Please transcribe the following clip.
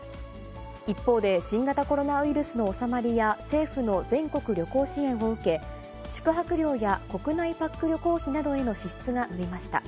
一方で、新型コロナウイルスの収まりや、政府の全国旅行支援を受け、宿泊料や国内パック旅行費などへの支出が伸びました。